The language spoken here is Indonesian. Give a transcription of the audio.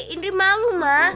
indri malu ma